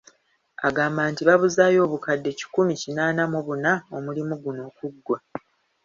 Agamba nti babuzaayo obukadde kikumi kinaana mu buna omulimu guno okuggwa.